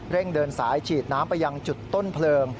เดินสายฉีดน้ำไปยังจุดต้นเพลิง